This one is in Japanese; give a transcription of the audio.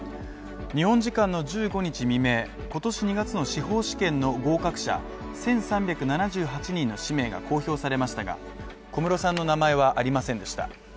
日本時間の１５日未明、今年２月の司法試験の合格者１３７８人の氏名が公表されましたが、小室さんの名前はありませんでした。